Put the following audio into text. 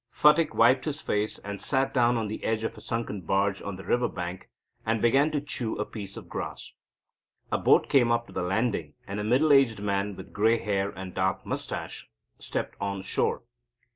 Phatik wiped his face, and sat down on the edge of a sunken barge on the river bank, and began to chew a piece of grass. A boat came up to the landing, and a middle aged man, with grey hair and dark moustache, stepped on shore.